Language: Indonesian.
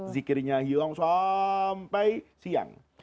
zikirnya hilang sampai siang